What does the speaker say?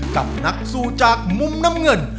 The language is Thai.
กับนักสู้จากมุมน้ำเงิน